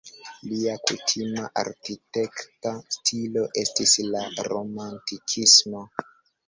Lia kutima arkitekta stilo estis la romantikismo.